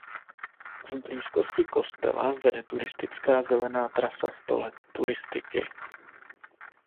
V blízkosti kostela vede turistická zelená "Trasa Sto let turistiky".